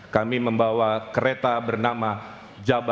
kami membawa kereta berangkat dan kita membawa kereta berangkat